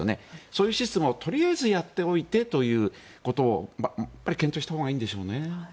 そういうシステムをとりあえずやっておいてということをやっぱり検討したほうがいいんでしょうね。